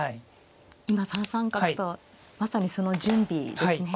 今３三角とまさにその準備ですね。